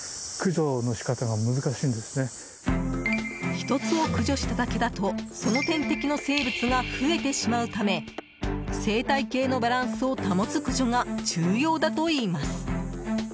１つを駆除しただけだとその天敵の生物が増えてしまうため生態系のバランスを保つ駆除が重要だといいます。